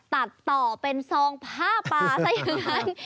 ตัดต่อเป็นซองผ้าป่าซะอย่างนั้น